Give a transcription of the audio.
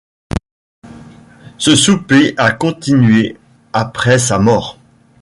Ce souper a continué après sa mort.